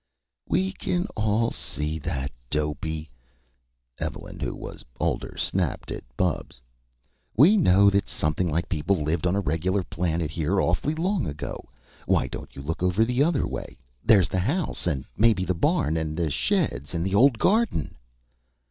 "We can see all that, Dopey!" Evelyn, who was older, snapped at Bubs. "We know that something like people lived on a regular planet here, awful long ago. Why don't you look over the other way? There's the house and maybe the barn and the sheds and the old garden!"